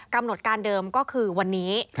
กำหนดการเดิมก็คือวันนี้